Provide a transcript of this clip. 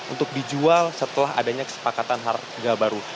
untuk dijual setelah adanya kesepakatan harga baru